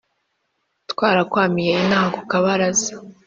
twarakwamiye inaha kukabaraza